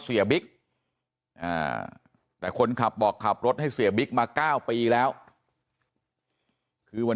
เสียบิ๊กแต่คนขับบอกขับรถให้เสียบิ๊กมา๙ปีแล้วคือวัน